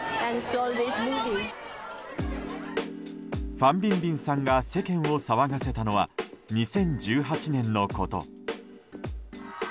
ファン・ビンビンさんが世間を騒がせたのは２０１８年のこと。